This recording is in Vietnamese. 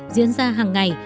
diễn ra hàng ngày